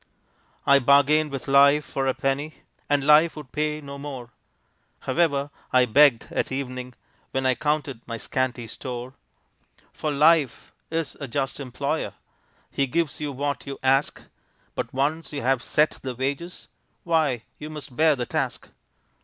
I bargained with Life for a penny, And Life would pay no more, However I begged at evening When I counted my scanty store; For Life is a just employer, He gives you what you ask, But once you have set the wages, Why, you must bear the task.